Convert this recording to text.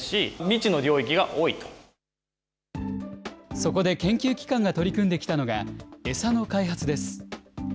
そこで研究機関が取り組んできたのが、餌の開発です。